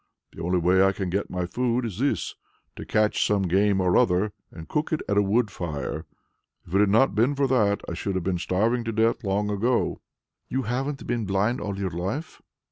The only way I can get my food is this: to catch some game or other, and cook it at a wood fire. If it had not been for that, I should have been starved to death long ago!" "You haven't been blind all your life?"